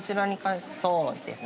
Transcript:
◆そうですね。